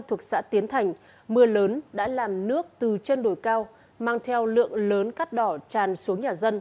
thuộc xã tiến thành mưa lớn đã làm nước từ trên đồi cao mang theo lượng lớn cát đỏ tràn xuống nhà dân